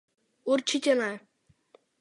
Určitě ne.